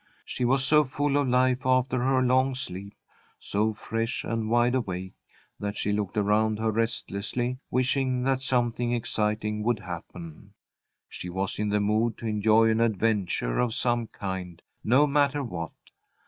She was so full of life after her long sleep, so fresh and wide awake, that she looked around her restlessly, wishing that something exciting would happen. She was in the mood to enjoy an adventure of some kind, no matter what.